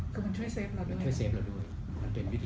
ก็มันช่วยเซฟเราด้วย